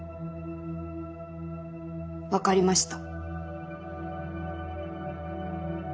分かりました。